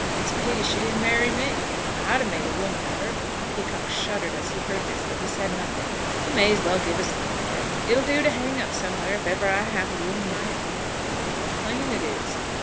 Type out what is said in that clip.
It's a pity she didn't marry me. I'd 've made a woman of her." Peacocke shuddered as he heard this, but he said nothing. "You may as well give us the picter; it'll do to hang up somewhere if ever I have a room of my own. How plain it is.